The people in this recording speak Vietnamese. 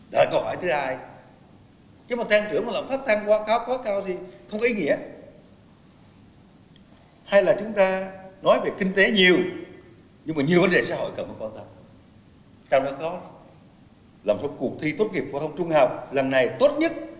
tao đã có làm cho cuộc thi tốt nghiệp phổ thông trung học lần này tốt nhất an toàn nhất chắc tượng nhất